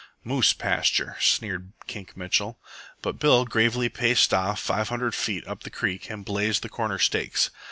"Moose pasture," sneered Kink Mitchell. But Bill gravely paced off five hundred feet up the creek and blazed the corner stakes.